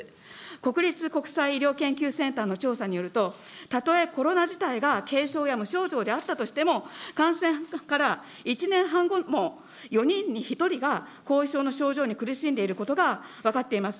国立国際医療研究センターの調査によると、たとえコロナ自体が軽症や無症状であったとしても、感染から１年半後も、４人に１人が後遺症の症状に苦しんでいることが分かっています。